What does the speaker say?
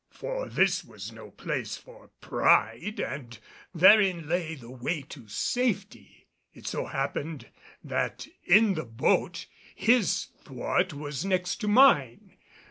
For this was no place for pride, and therein lay the way to safety. It so happened that in the boat his thwart was next to mine.